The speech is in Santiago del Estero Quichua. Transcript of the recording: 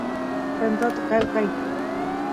kwentot qelqay